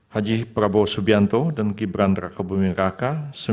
haji prabowo subianto dan kibrandra kabumin raka